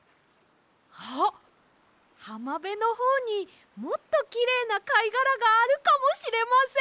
あっはまべのほうにもっときれいなかいがらがあるかもしれません！